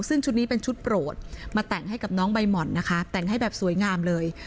ซึ่งชุดนี้เป็นชุดโปรดมาแต่งให้กับน้องใบหม่อนนะคะแต่งให้แบบสวยงามเลย